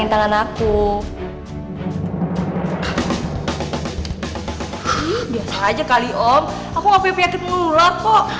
biasa aja kali om aku kapal penyakit mulu lurah kok